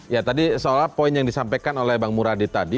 ya tadi seolah poin yang disampaikan oleh bang muradi tadi